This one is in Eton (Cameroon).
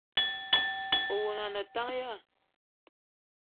Owono a ne tank ya ?